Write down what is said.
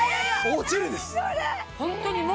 落ちるんです。